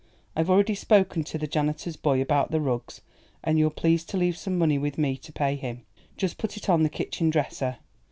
I've already spoken to the janitor's boy about the rugs, an' you'll please to leave some money with me to pay him. Just put it on the kitchen dresser."